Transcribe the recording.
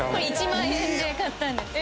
１万円で買ったんです。